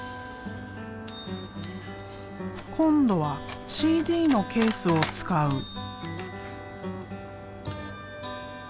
今度はＣＤのケースを使う。